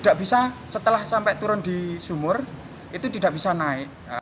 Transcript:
he hijri percatatan meski tidak ahal lagi terh global